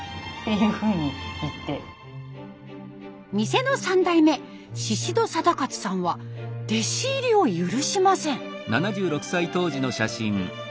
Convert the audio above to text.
店の三代目宍戸貞勝さんは弟子入りを許しません。